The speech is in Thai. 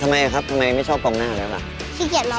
อ๋อทำไมครับทำไมไม่ชอบกองหน้าเลยหรือเปล่า